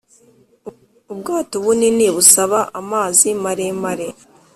ubwato bunini busaba amazi maremare.